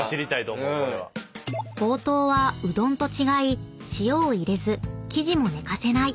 ［ほうとうはうどんと違い塩を入れず生地も寝かせない］